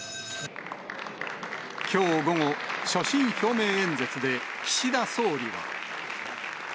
きょう午後、所信表明演説で、岸田総理は。